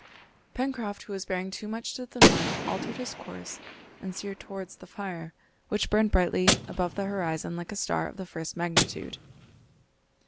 Pencroft, who was bearing too much to the north, altered his course and steered towards the fire, which burned brightly above the horizon like a star of the first magnitude.